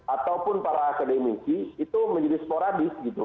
ataupun para akademisi itu menjadi sporadis gitu